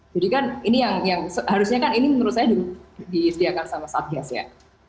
jadi kan ini yang harusnya kan ini menurut saya disediakan sama satgas ya